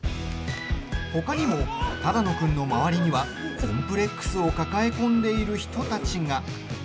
ほかにも只野君の周りにはコンプレックスを抱え込んでいる人たちが。